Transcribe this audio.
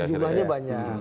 jadi jumlahnya banyak